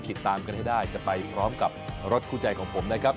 ติดตามกันให้ได้จะไปพร้อมกับรถคู่ใจของผมนะครับ